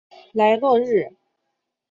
莱洛日。